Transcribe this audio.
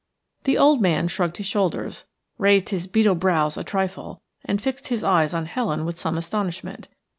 The old man shrugged his shoulders, raised his beetle brows a trifle, and fixed his eyes on Helen with some astonishment.